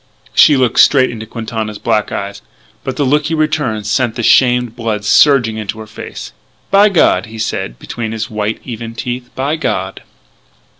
She looked straight into Quintana's black eyes, but the look he returned sent the shamed blood surging into her face. "By God," he said between his white, even teeth, "by God!"